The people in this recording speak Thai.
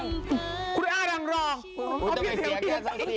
คุณอ้าดังรอง